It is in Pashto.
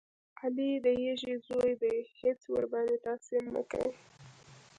علي د یږې زوی دی هېڅ ورباندې تاثیر نه کوي.